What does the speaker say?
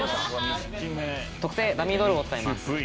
特性ダミードールを使います。